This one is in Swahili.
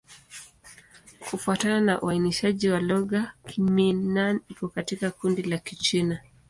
Kufuatana na uainishaji wa lugha, Kimin-Nan iko katika kundi la Kichina.